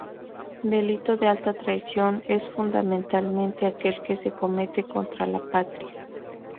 Delito de alta traición es fundamentalmente aquel que se comete contra la Patria.